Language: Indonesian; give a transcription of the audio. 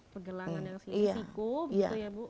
pergelangan yang selisiku gitu ya bu